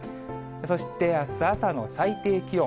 そして、あす朝の最低気温。